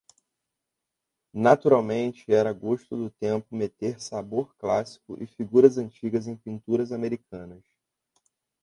Naturalmente era gosto do tempo meter sabor clássico e figuras antigas em pinturas americanas.